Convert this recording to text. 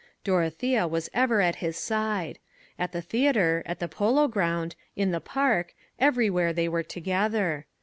Dorothea was ever at his side. At the theatre, at the polo ground, in the park, everywhere they were together.